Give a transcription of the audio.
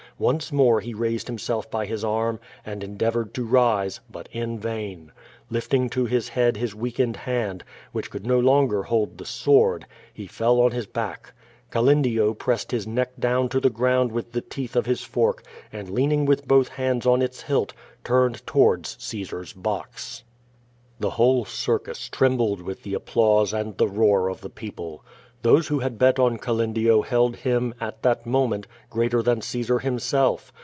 Once more he raised himself by his arm, and endeavored to rise, but in vain. Lifting to his head his weakened hand, which could no longer hold the sword, he fell on his back. Calendio pressed his neck down to the ground with the teeth of his fork and, leaning with both hands on its hilt, turned towards Caesar': box. The whole circus trembled with the applause and the roar of the people Those who had bet on Calendio held him, at that moment, greater than Caesar himself.